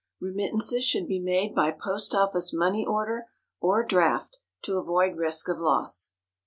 Remittances should be made by POST OFFICE MONEY ORDER or DRAFT, to avoid risk of loss.